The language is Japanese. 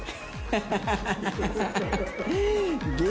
ハハハハッ。